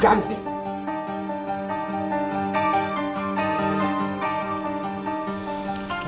kenapa kita berpedul